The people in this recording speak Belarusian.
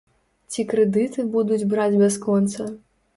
Ці крэдыты будуць браць бясконца?